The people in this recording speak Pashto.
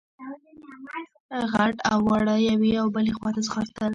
غټ او واړه يوې او بلې خواته ځغاستل.